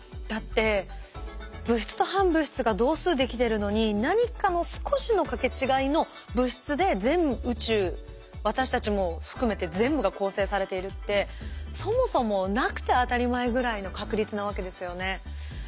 だって物質と反物質が同数できてるのに何かの少しのかけ違いの物質で全宇宙私たちも含めて全部が構成されているってそもそもなくて当たり前ぐらいの確率なわけですよね。